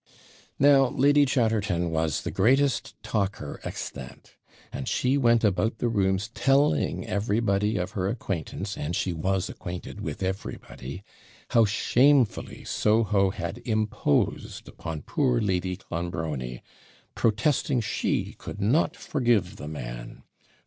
Now Lady Chatterton was the greatest talker extant; and she went about the rooms telling everybody of her acquaintance and she was acquainted with everybody how shamefully Soho had imposed upon poor Lady Clonbrony, protesting she could not forgive the man.